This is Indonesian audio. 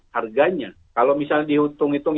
harganya kalau misalnya dihitung hitung